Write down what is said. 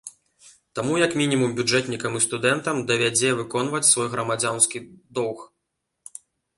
Таму як мінімум бюджэтнікам і студэнтам давядзе выконваць свой грамадзянскі доўг.